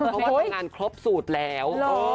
เพราะว่าทำงานครบสูตรแล้ว